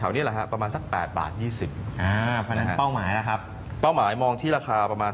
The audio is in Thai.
เป้าหมายคือะเท่าไหร่ก็เป็น๙บาท